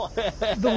どうも。